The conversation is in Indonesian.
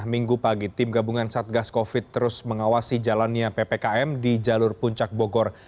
minggu pagi tim gabungan satgas covid terus mengawasi jalannya ppkm di jalur puncak bogor